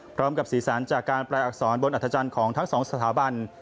พร้อมกับสีสันจากการแปลอักษรบนอัธจันทร์ของทั้งสองสถาบัน